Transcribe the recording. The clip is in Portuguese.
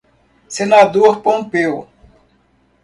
Senador Pompeu